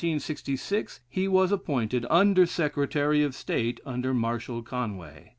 In 1766 he was appointed Under Secretary of State under Marshal Conway.